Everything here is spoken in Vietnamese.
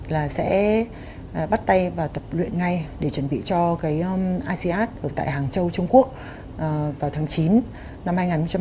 là sẽ bắt tay và tập luyện ngay để chuẩn bị cho cái asean ở tại hàng châu trung quốc vào tháng chín năm hai nghìn hai mươi